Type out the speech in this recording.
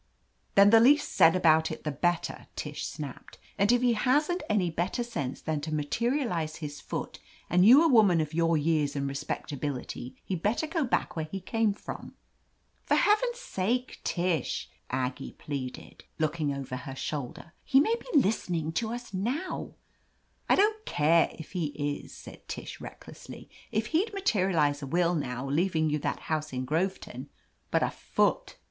"Then the least said about it the better f^ Tish snapped. "If he hasn't any better sense than to materialize his foot, and you a woman of your years and respectability, he'd better go back where he came from." For heaven's sake, Tish," Aggie pleaded, 109 <«i THE AMAZING ADVENTURES looking over her shoulder. "He may be listen ing to us now !*' I "I don't care if he is/' said Tish recklessly. "If he'd materialize a will, now, leaving you that house in Groveton ! But a foot